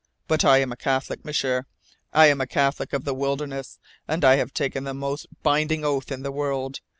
But I am a Catholic, M'sieur. I am a Catholic of the wilderness. And I have taken the most binding oath in the world.